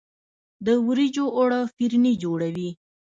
د وریجو اوړه فرني جوړوي.